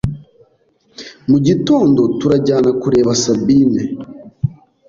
Mugitondo turajyana kureba Sabine